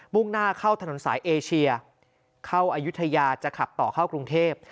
่งหน้าเข้าถนนสายเอเชียเข้าอายุทยาจะขับต่อเข้ากรุงเทพ